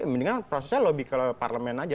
mendingan prosesnya lebih ke parlemen aja